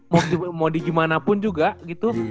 mau di gimana pun juga gitu